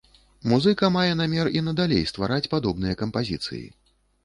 Музыка мае намер і надалей ствараць падобныя кампазіцыі.